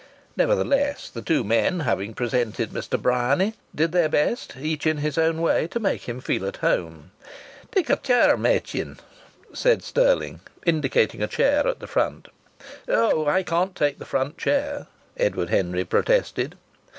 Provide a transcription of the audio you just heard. Nevertheless, the two men, having presented Mr. Bryany, did their best, each in his own way, to make him feel at home. "Take this chair, Machin," said Stirling, indicating a chair at the front. "Oh! I can't take the front chair!" Edward Henry protested.